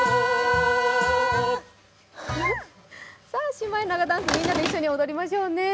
シマエナガダンスみんなで一緒に踊りましょうね。